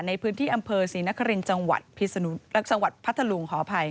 ในพื้นที่อำเภอศรีนคริญจังหวัดพัทลุง